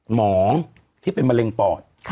หมอที่เป็นมะเร็งปอด